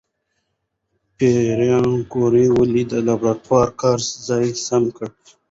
پېیر کوري ولې د لابراتوار کار ځای سم کړ؟